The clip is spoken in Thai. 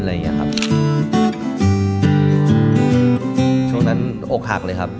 ช่วงนั้นอกหักเลยครับ